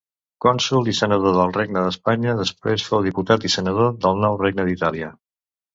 Cònsol i senador del Regne d'Espanya; després fou diputat i senador del nou Regne d'Itàlia.